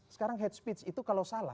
sekarang hate speech itu kalau salah